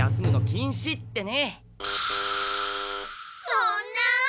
そんな。